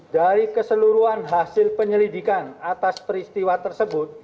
dari keseluruhan hasil penyelidikan atas peristiwa tersebut